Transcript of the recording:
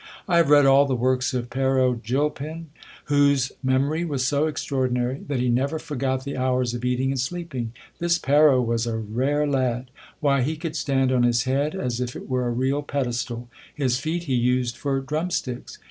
I have read all the works of Pero Gilpin, whose memory was so extraordinary, that he never forgot tiie hours of eating and sleeping. This Pero was a rare lad. Why, he could stand on his head, as if it were a real pedestal ; his feet he used for drumsticks.